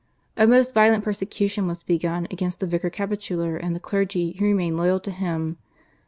A most violent persecution was begun against the vicar capitular and the clergy who remained loyal to him.